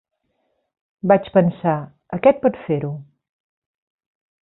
Vaig pensar, aquest pot fer-ho.